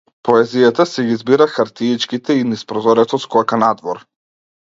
Поезијата си ги збира хартиичките и низ прозорецот скока надвор.